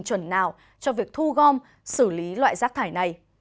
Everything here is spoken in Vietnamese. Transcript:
chuẩn nào cho việc thu gom xử lý loại rác thải này